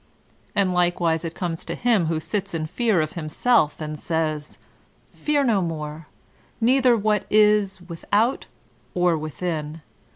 And likewise it conies to him who •iU in fear of himself, and says : "Fear no more, neither what is without or within.